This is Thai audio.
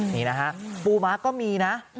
นี่นะฮะปูม้าก็มีนะ